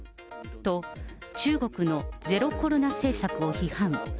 と、中国のゼロコロナ政策を批判。